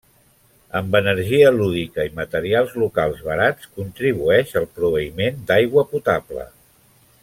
Amb energia lúdica i materials locals barats, contribueix al proveïment d'aigua potable.